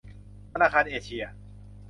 ธนาคารเอเชีย